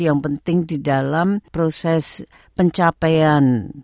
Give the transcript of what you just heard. yang penting di dalam proses pencapaian